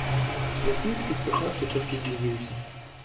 Лясніцкі спачатку толькі здзівіўся.